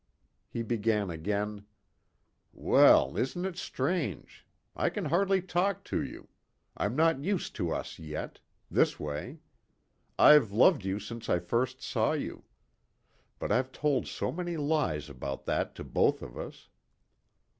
He began again: "Well, isn't it strange. I can hardly talk to you. I'm not used to us yet. This way. I've loved you since I first saw you. But I've told so many lies about that to both of us...."